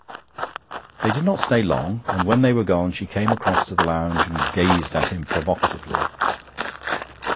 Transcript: They did not stay long, and when they were gone she came across to the lounge and gazed at him provocatively.